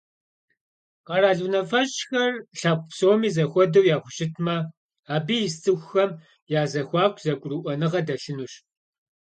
Къэрал унафэщӏхэр лъэпкъ псоми зэхуэдэу яхущытмэ, абы ис цӏыхухэм я зэхуаку зэгурыӀуэныгъэ дэлъынущ.